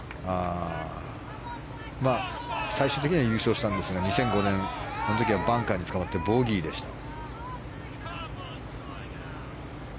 最終的には優勝したんですが２００５年、あの時はバンカーにつかまってボギーでした。